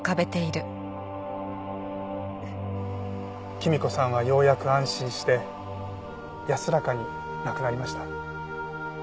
きみ子さんはようやく安心して安らかに亡くなりました。